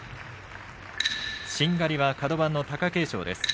しんがりはカド番の貴景勝です。